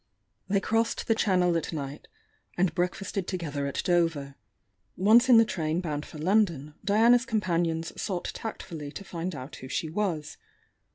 They crossed the Channel at night, and break fasted together at Dover. Once m the traan bound for London, Diana's companions sought tactfully to find out who she was.